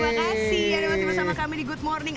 terima kasih bersama kami di good morning